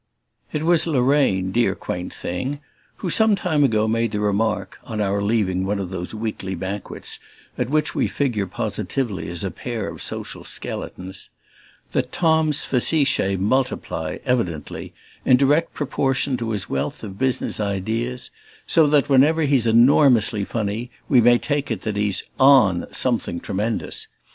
It was Lorraine, dear quaint thing, who some time ago made the remark (on our leaving one of those weekly banquets at which we figure positively as a pair of social skeletons) that Tom's facetae multiply, evidently, in direct proportion to his wealth of business ideas; so that whenever he's enormously funny we may take it that he's "on" something tremendous.